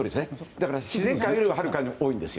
だから自然界よりははるかに多いです。